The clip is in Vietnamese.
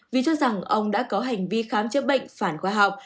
vì cho rằng ông đã có hành vi khám chữa bệnh phản khoa học